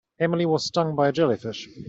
Emily was stung by a jellyfish.